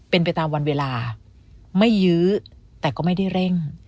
เป็นไปตามวันเวลาไม่ยื้อแต่ก็ไม่ได้เร่ง